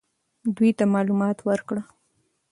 دوی ته معلومات ورکړه.